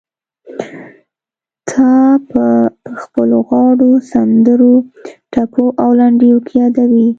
تا به په خپلو غاړو، سندرو، ټپو او لنډيو کې يادوي.